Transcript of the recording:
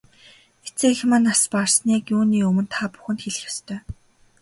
Эцэг эх маань нас барсныг юуны өмнө та бүхэнд хэлэх ёстой.